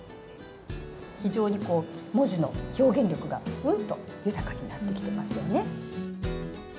非常に文字の表現力がうんと豊かになってきてますよね。